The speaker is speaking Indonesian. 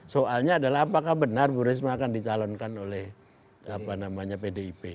soalnya adalah apakah benar bu risma akan dicalonkan oleh pdip